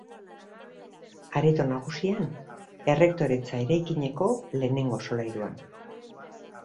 Areto nagusian, errektoretza eraikineko lehenengo solairuan.